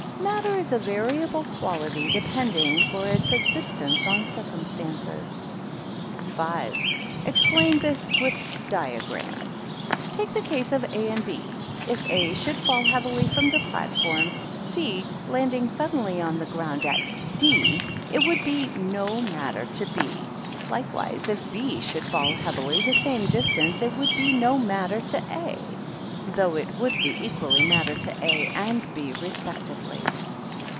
Matter is a variable quality depending for its existence on circumstances. 18 VD ik*ft ii»ii%wM— ' 1 206 THE KINDERGARTEN. 5. Explain this, with diagram. Take the case of A and B. If A should fall heavily from the platform (7, landing suddenly ^< on the ground at jO, it would be NO matter to B. lAkewise, if B should fall heavily the same distance, it would be no matter to A; though it would be equally matter to A and B respectively.